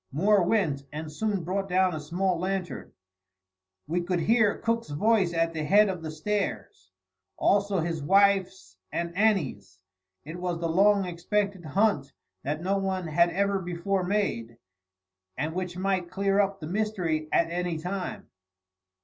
Moore went, and soon brought down a small lantern. We could hear Cook's voice at the head of the stairs; also his wife's and Annie's. It was the long expected hunt that no one had ever before made, and which might clear up the mystery at any time.